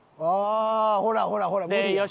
ああほらほらほら無理。